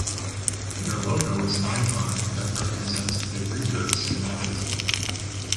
Their logo is an icon that represent a reader schematically.